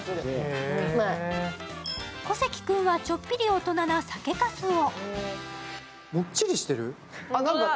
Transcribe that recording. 小関君はちょっぴり大人な酒かすを。